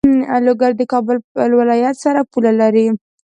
لوګر د کابل ولایت سره پوله لری.